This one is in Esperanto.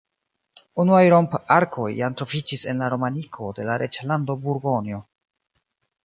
Unuaj romp-arkoj jam troviĝis en la romaniko de la Reĝlando Burgonjo.